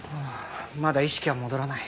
まだ意識は戻らない。